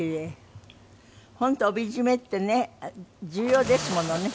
本当帯締めってね重要ですものね。